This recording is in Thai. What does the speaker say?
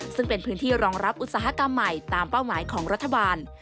ซึ่งเป็นพื้นที่รองรับอุตสาหกรรมใหม่ตามเป้าหมายของรัฐบาล